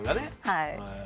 はい。